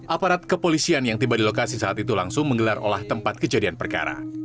aparat kepolisian yang tiba di lokasi saat itu langsung menggelar olah tempat kejadian perkara